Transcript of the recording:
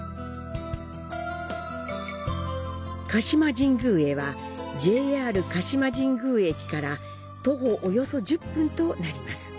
鹿島神宮へは、「ＪＲ鹿島神宮駅」から徒歩約１０分となります。